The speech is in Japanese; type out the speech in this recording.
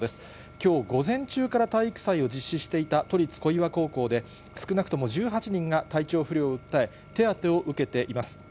きょう午前中から体育祭を実施していた都立小岩高校で、少なくとも１８人が体調不良を訴え、手当てを受けています。